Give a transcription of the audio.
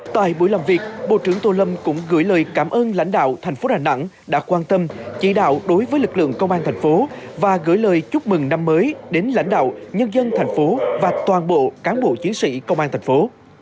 tại buổi làm việc bộ trưởng tô lâm cũng gửi lời cảm ơn lãnh đạo thành phố đà nẵng đã quan tâm chỉ đạo đối với lực lượng công an thành phố và gửi lời chúc mừng năm mới đến lãnh đạo nhân dân thành phố và toàn bộ cán bộ chiến sĩ công an thành phố